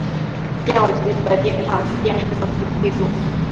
电偶极子的电场是电势的负梯度。